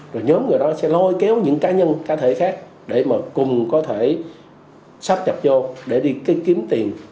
rồi nhóm người đó sẽ lôi kéo những cá nhân cá thể khác để mà cùng có thể sắp nhập vô để đi kiếm tiền